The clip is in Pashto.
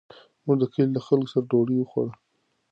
موږ د کلي له خلکو سره ډوډۍ وخوړه.